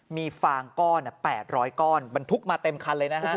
มีฟางก้อนแปดร้อยก้อนมันทุกมาเต็มคันเลยนะฮะ